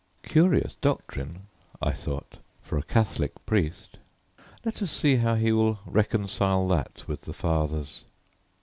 "Curious doctrine!" I thought, "for a Catholic priest. Let us see how he will reconcile that with the Fathers."